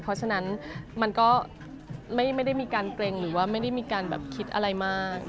เพราะฉะนั้นมันก็ไม่ได้มีการเกรงหรือว่าไม่ได้มีการแบบคิดอะไรมาก